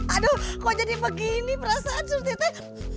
aduh kok jadi begini perasaan surut teteh